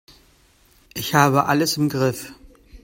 Ich habe alles im Griff.